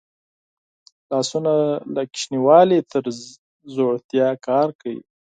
لاسونه له ماشومتوبه تر زوړتیا کار کوي